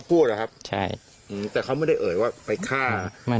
แต่ว่าเขาออกไม่ได้เอ่ยว่าไปฆ่า